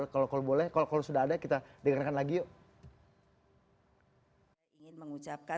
kalau sudah ada kita dengarkan lagi yuk